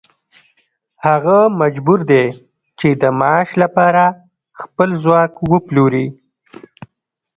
هغه مجبور دی چې د معاش لپاره خپل ځواک وپلوري